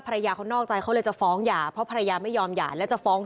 ภรรยาเขานอกใจเขาเลยจะฟ้องหย่าเพราะภรรยาไม่ยอมหย่าแล้วจะฟ้อง